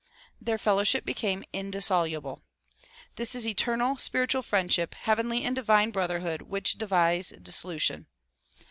Their fellowship became indis soluble. This is eternal, spiritual fellowship, heavenly and divine brotherhood which defies dissolution.